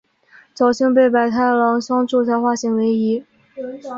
侥幸被百太郎相助才化险为夷。